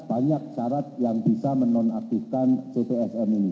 banyak syarat yang bisa menonaktifkan ctsn ini